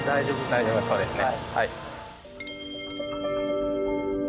大丈夫そうですね。